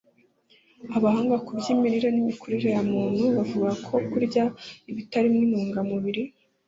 Abahanga mu by’imirire n’imikurire ya muntu bavuga ko kurya ibitarimo intungamubiri